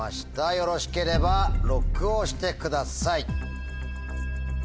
よろしければＬＯＣＫを押してください。